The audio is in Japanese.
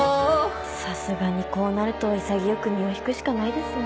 さすがにこうなると潔く身を引くしかないですね。